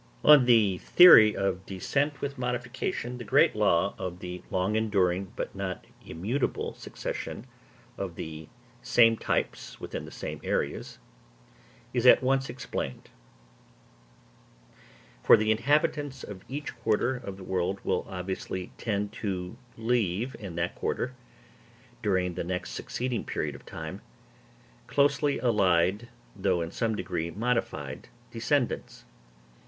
On the theory of descent with modification, the great law of the long enduring, but not immutable, succession of the same types within the same areas, is at once explained; for the inhabitants of each quarter of the world will obviously tend to leave in that quarter, during the next succeeding period of time, closely allied though in some degree modified descendants.